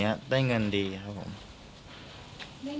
จากนั้นก็จะนำมาพักไว้ที่ห้องพลาสติกไปวางเอาไว้ตามจุดนัดต่าง